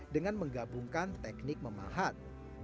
dengan menggabungkan teknik memahat